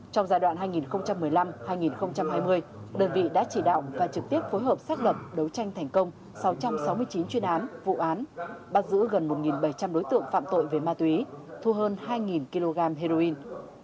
trong giai đoạn hai nghìn một mươi năm hai nghìn hai mươi đơn vị đã chỉ đạo và trực tiếp phối hợp xác lập đấu tranh thành công sáu trăm sáu mươi chín chuyên án vụ án bắt giữ gần một bảy trăm linh đối tượng phạm tội về ma túy thu hơn hai kg heroin